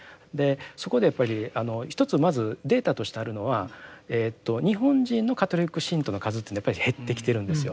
そこでやっぱりあの一つまずデータとしてあるのは日本人のカトリック信徒の数というのはやっぱり減ってきているんですよ。